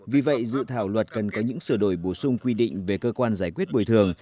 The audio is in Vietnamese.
vì vậy dự thảo luật cần có những sửa đổi bổ sung quy định về cơ quan giải quyết bồi thường